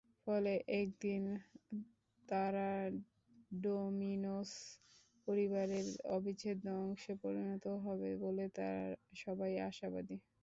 ফলে একদিন তারা ডোমিনোস পরিবারের অবিচ্ছেদ্য অংশে পরিণত হবে বলে সবাই আশাবাদী।